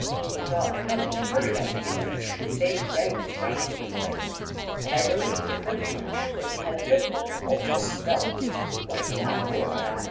He saw us coming and hurried out to meet us, his face red and shining with excitement. And I noticed for the first time that he had a pistol in a holster at his belt "What's that for?" I asked.